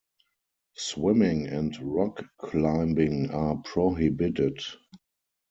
Swimming and rock climbing are prohibited.